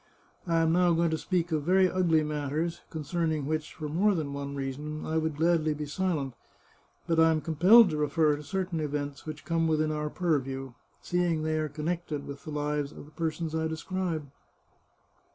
I am now going to speak of very ugly matters, concern ing which, for more than one reason, I would gladly be silent. But I am compelled to refer to certain events which come within our purview, seeing they are connected with the lives of the persons I describe.